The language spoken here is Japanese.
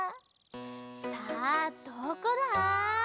さあどこだ？